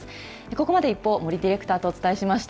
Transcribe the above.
ここまで、ＩＰＰＯＵ、森ディレクターとお伝えしました。